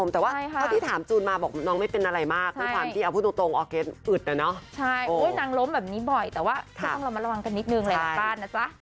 แต่ว่าเราต้องมาระวังกันนิดนึงเลยหลังบ้านนะจ๊ะ